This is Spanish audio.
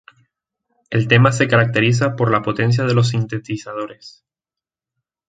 El tema se caracteriza por la potencia de los sintetizadores.